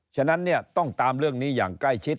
ฉะนั้นเนี่ยต้องตามเรื่องนี้อย่างใกล้ชิด